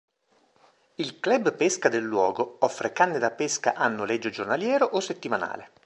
Il club pesca del luogo offre canne da pesca a noleggio giornaliero o settimanale.